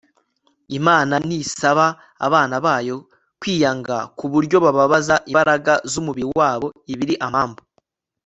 imana ntisaba abana bayo kwiyanga ku buryo bababaza imbaraga z'umubiri wabo. ibiri amambu